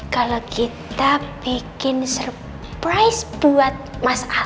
kalo kita bikin surprise buat mas al